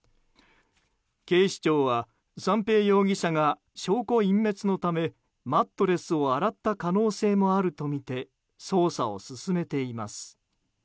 警視庁は三瓶容疑者が証拠隠滅のためマットレスを洗った可能性もあるとみて捜査を進めています。